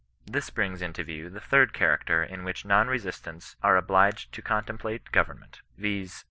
This brings into view the third character in which non resistants are obliged to contemplate government ; viz.